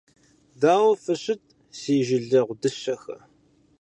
Дауэ фыщыт, си жылэгъу дыщэхэ!